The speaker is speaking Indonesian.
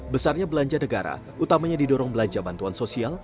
besarnya belanja negara utamanya didorong belanja bantuan sosial